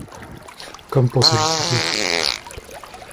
Comme pour se justifier.